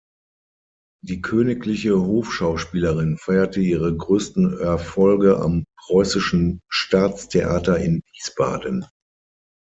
Die königliche Hofschauspielerin feierte ihre größten Erfolge am Preußischen Staatstheater in Wiesbaden.